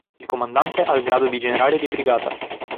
Il comandante ha il grado di generale di brigata.